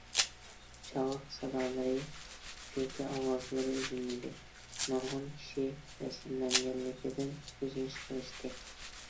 چاۋاك سادالىرى، كۈلكە ئاۋازلىرى ئۈزۈلمىدى، نۇرغۇن كىشى تەسىرلەنگەنلىكىدىن كۆز يېشى قىلىشتى.